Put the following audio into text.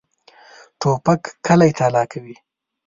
توپک کلی تالا کوي.